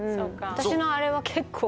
私のあれは結構。